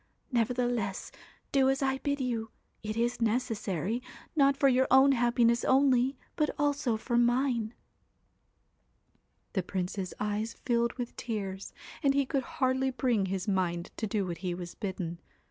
Nevertheless, do as I bid you ; it is necessary, not for your own happiness only, but also for mine.' The Prince's eyes filled with tears, and he could hardly bring his mind to do what he was bidden.